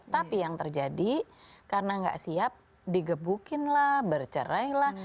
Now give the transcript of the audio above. tapi yang terjadi karena nggak siap digebukin lah bercerai lah